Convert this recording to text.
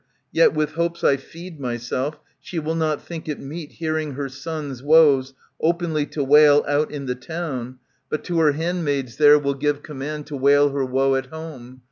Yet with hopes I feed myself, she will not think it meet. Hearing her son's woes, openly to wail Out in the town, but to her handmaids there 184 ANTIGONE Will give command to wail her woe at home.